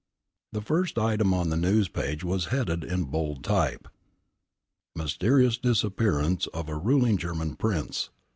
The first item on the news page was headed in bold type: ~"MYSTERIOUS DISAPPEARANCE OF A RULING GERMAN PRINCE.